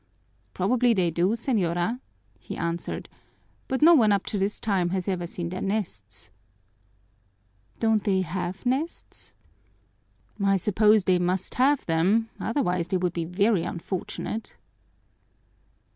"Probably they do, señora," he answered, "but no one up to this time has ever seen their nests." "Don't they have nests?" "I suppose they must have them, otherwise they would be very unfortunate."